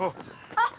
あっ！